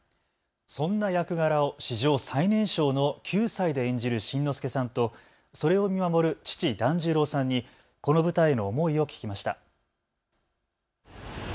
そんな役柄を史上最年少の９歳で演じる新之助さんとそれを見守る父、團十郎さんにこの舞台への思いを聞きました。